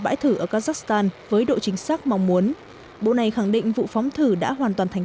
bãi thử ở kazakhstan với độ chính xác mong muốn bộ này khẳng định vụ phóng thử đã hoàn toàn thành